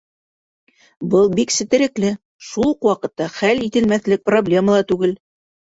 Был бик сетерекле, шул уҡ ваҡытта хәл ителмәҫлек проблема ла түгел.